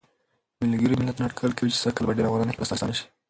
م.م اټکل کوي چې سږ کال به ډېر افغانان هېواد ته راستانه شي.